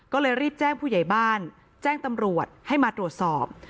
ก็เลยรีบแจ้งผู้ใหญ่บ้านแจ้งตำรวจให้มาตรวจสอบ